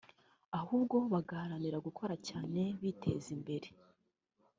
ahubwo bagaharanira gukora cyane biteza imbere